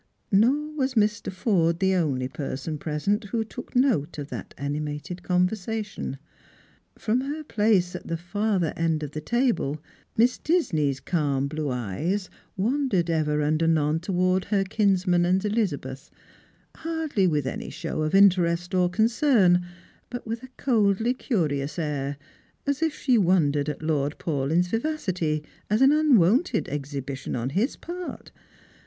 Nor was Mr. Forde the only person present who took note of tliat animated coversation. From her place at the farther end of the table, Miss Disney 'a Strangers and Pilgrims. 95 caim blue eyes wandered ever and anon towards her kinsm&n and Elizabeth, nardly with any show of interest or concern, \m\ with a coldly curious air, as if she wondered at Lord Paulyn's vivacity, as an unwonted exhibition on his part.